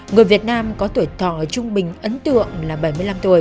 người việt nam có tuổi thỏ trung bình ấn tượng